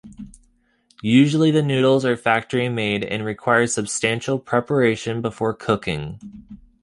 Usually, the noodles are factory-made, and requires substantial preparation before cooking.